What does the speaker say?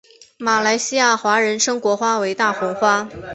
马来西亚华人称国花为大红花。